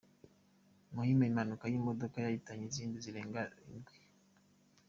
Muhima Impanuka y’imodoka yahitanye izindi zirenga indwi